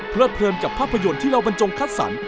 เพลินกับภาพยนตร์ที่เราบรรจงคัดสรร